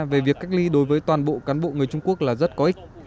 về việc cách ly đối với toàn bộ cán bộ người trung quốc là rất có ích